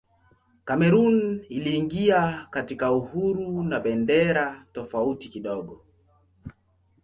Kamerun iliingia katika uhuru na bendera tofauti kidogo.